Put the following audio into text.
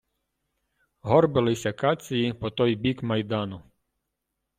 Горбились акації по той бік майдану.